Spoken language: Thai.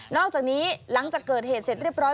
อกจากนี้หลังจากเกิดเหตุเสร็จเรียบร้อย